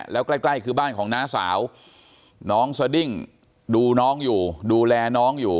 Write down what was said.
แล้วใกล้คือบ้านของน้าสาวน้องสดิ้งดูน้องอยู่ดูแลน้องอยู่